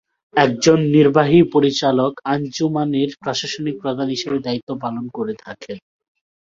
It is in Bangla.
একজন নির্বাহী পরিচালক আঞ্জুমান-এর প্রশাসনিক প্রধান হিসেবে দায়িত্ব পালন করে থাকেন।